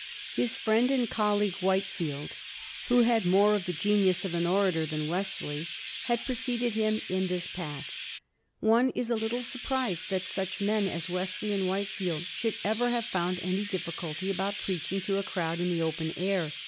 His friend an(l colleague Whitefield, who had more of the genius of an orator than Wesley, had preceded him in this path. One is a little surprised that such men as Wesley and Whitefield should ever have found any difficulty about preaching to a crowd in the open air.